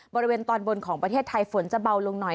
บริเวณตอนบนของประเทศไทยฝนจะเบาลงหน่อย